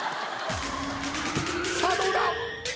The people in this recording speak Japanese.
さあどうだ⁉